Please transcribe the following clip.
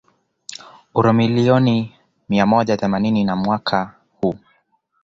uro milioni mia moja themani ni Mwaka huu